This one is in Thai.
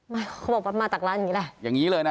ไม่เขาบอกว่ามาจากร้านอย่างนี้แหละ